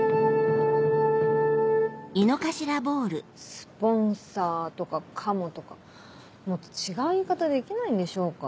「スポンサー」とか「カモ」とかもっと違う言い方できないんでしょうか。